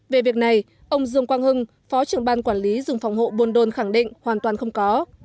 về việc này ông dương quang hưng phó trưởng ban quản lý rừng phòng hộ buôn đôn khẳng định hoàn toàn không có